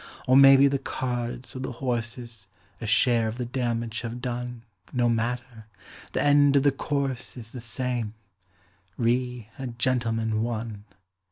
Or maybe the cards or the horses A share of the damage have done No matter; the end of the course is The same: "Re a Gentleman, One".